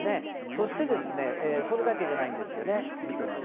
そしてそれだけじゃないんです。